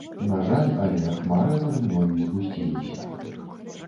На жаль, але хмары над мной згусціліся.